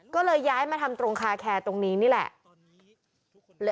ก็เลยย้ายมาทำตรงคาแคร์ตรงนี้นี่แหละ